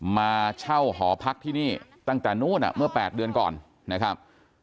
มาเช่าหอพักที่นี่ตั้งแต่นู้นเมื่อ๘เดือนก่อนนะครับ